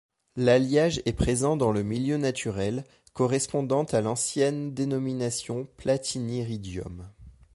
L'alliage est présent dans le milieu naturel, correspondant à l'ancienne dénomination platiniridium.